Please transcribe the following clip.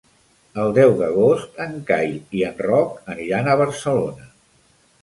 El deu d'agost en Cai i en Roc aniran a Barcelona.